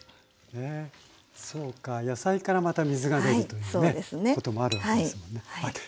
そうか野菜からまた水が出るというねこともあるわけですよね。